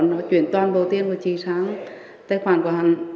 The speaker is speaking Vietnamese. nó chuyển toàn bộ tiền của chị sang tài khoản của hẳn